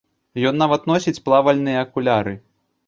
Ён нават носіць плавальныя акуляры.